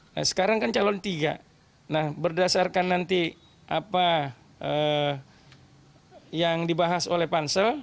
nah sekarang kan calon tiga nah berdasarkan nanti apa yang dibahas oleh pansel